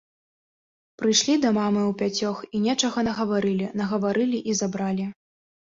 Прыйшлі да мамы ўпяцёх і нечага нагаварылі, нагаварылі і забралі.